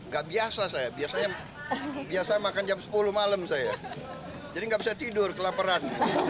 gak biasa saya biasanya biasa makan jam sepuluh malam saya jadi nggak bisa tidur kelaparan